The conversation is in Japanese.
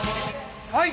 はい！